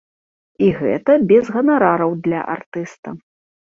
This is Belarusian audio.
І гэта без ганарараў для артыста.